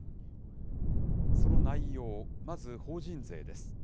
その内容、まず法人税です。